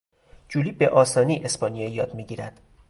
جولی به آسانی اسپانیایی یاد میگیرد.